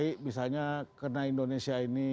karena indonesia ini